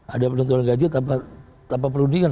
ada penentuan gaji tanpa perundingan